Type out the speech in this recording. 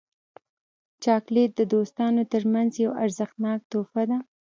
چاکلېټ د دوستانو ترمنځ یو ارزښتناک تحفه ده.